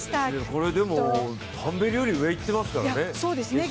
これでも、タンベリより上いってますからね。